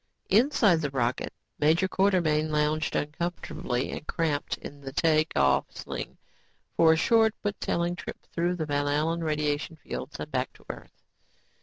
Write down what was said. Inside the rocket, Major Quartermain lounged uncomfortably and cramped in the take off sling for a short but telling trip through the Van Allen radiation fields and back to Earth.